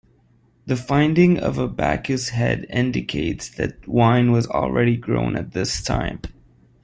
The finding of a Bacchus-head indicates that wine was already grown at this time.